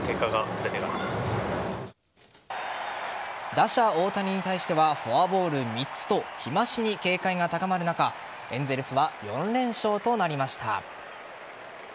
打者・大谷に対してはフォアボール３つと日増しに警戒が高まる中エンゼルスは４連勝となりました。